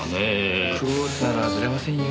クオーツならずれませんよ。